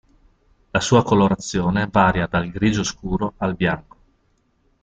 La sua colorazione varia dal grigio scuro al bianco.